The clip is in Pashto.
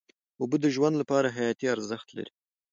اوبه د ژوند لپاره حیاتي ارزښت لري.